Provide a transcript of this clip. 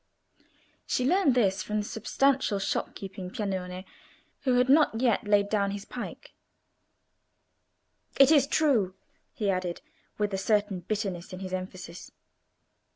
She learned this from a substantial shop keeping Piagnone, who had not yet laid down his pike. "It is true," he ended, with a certain bitterness in his emphasis.